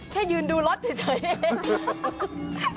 แค่ยืนดูรถเฉยเอง